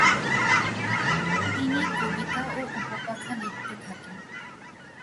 তিনি কবিতা এবং উপকথা লিখতে থাকেন।